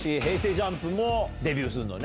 ＪＵＭＰもデビューする。